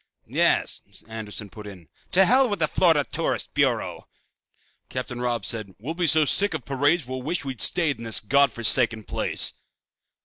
"Yes," Anderson put in, "to hell with the Florida Tourist Bureau!" Captain Robb said, "We'll be so sick of parades we'll wish we'd stayed in this God forsaken place."